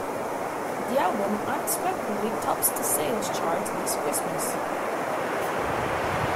The album unexpectedly tops the sales chart this Christmas.